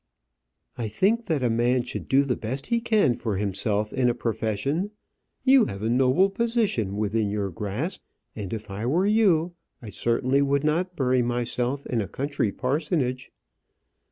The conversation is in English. "I think that a man should do the best he can for himself in a profession. You have a noble position within your grasp, and if I were you, I certainly would not bury myself in a country parsonage."